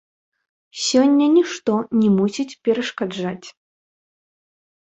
Сёння нішто не мусіць перашкаджаць.